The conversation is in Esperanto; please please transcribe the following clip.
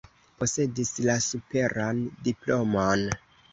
Posedis la superan diplomon.